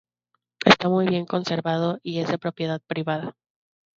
Está muy bien conservado, y es de propiedad privada.